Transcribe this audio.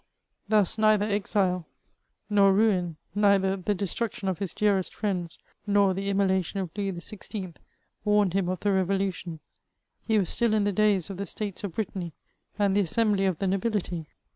Thus neither exile nor ruin, neither the destruction of his dearest friends nor the immolation of Louis XVI., warned him of the revolution ; he was still in the days of the States of Brittany and the assembly of the nobility.